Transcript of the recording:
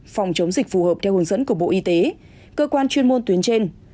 phòng chống dịch phù hợp theo hướng dẫn của bộ y tế cơ quan chuyên môn tuyến trên